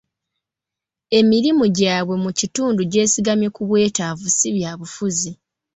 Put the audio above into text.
Emirimu gyabwe mu kitundu gyesigama ku bwetaavu si bya bufuzi.